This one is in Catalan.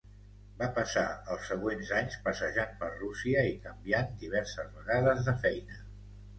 Va passar els següents anys passejant per Rússia i canviant diverses vegades de feina.